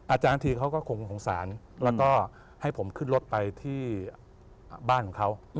อาจารย์ทีเขาก็คงสงสารแล้วก็ให้ผมขึ้นรถไปที่บ้านของเขา